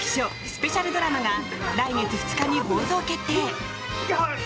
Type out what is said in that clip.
スペシャルドラマが来月２日に放送決定。